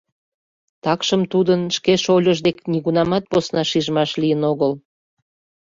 Такшым тудын шке шольыж шольыж дек нигунамат посна шижмаш лийын огыл.